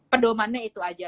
pedoman nya itu aja